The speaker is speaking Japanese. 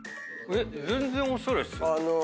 全然おしゃれっすよ。